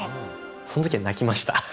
そのときは泣きました。